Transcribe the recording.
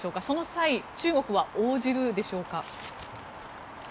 その際、中国は応じるでしょうか？